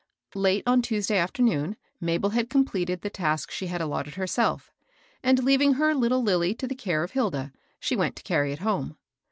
Late on Tuesday afternoon Mabel had completed the task she had allotted herself; and, leaving her little Lilly to the care of Hilda, she went to carry it home.